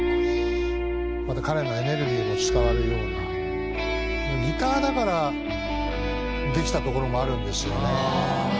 「また彼のエネルギーも伝わるような」「ギターだからできたところもあるんですよね」